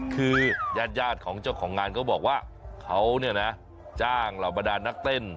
คือญาติของเจ้าของงานเขาบอกว่าเขาเนี่ยนะจ้างเหล่าบรรดานนักเต้น